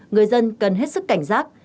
người dân cần hết sức cảnh giác